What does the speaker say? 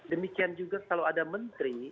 demikian juga kalau ada menteri